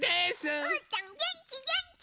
うーたんげんきげんき！